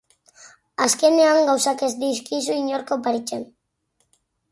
Azkenean, gauzak ez dizkizu inork oparitzen.